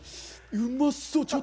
うまそっ。